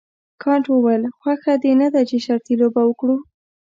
کانت وویل خوښه دې نه ده چې شرطي لوبه وکړو.